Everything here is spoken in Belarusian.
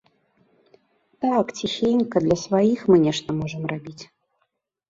Так, ціхенька, для сваіх, мы нешта можам рабіць.